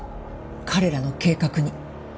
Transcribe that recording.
彼らの計画に。